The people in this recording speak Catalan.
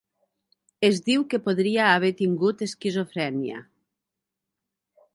Es diu que podria haver tingut esquizofrènia.